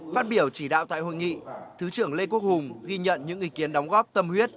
phát biểu chỉ đạo tại hội nghị thứ trưởng lê quốc hùng ghi nhận những ý kiến đóng góp tâm huyết